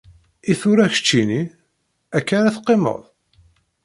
I tura keččini, akka ara teqqimeḍ?